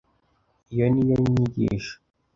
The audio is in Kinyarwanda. Iyo ni yo nyigisho.